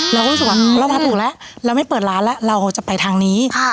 เราก็รู้สึกว่าเรามาถูกแล้วเราไม่เปิดร้านแล้วเราจะไปทางนี้